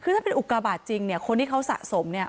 คือถ้าเป็นอุกาบาทจริงเนี่ยคนที่เขาสะสมเนี่ย